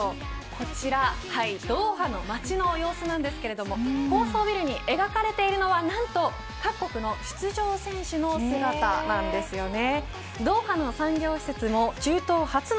こちらドーハの街の様子なんですがビルに描かれているのは何と各国の出場選手の姿なんですよね。